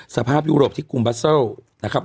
สภาพยุโรปที่กุมบัสเซิลนะครับ